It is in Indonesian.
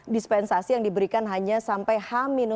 dispensasi yang diberikan hanya sampai h